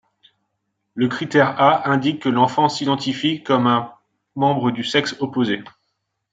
Le critère A indique que l'enfant s'identifie comme un membre du sexe opposé.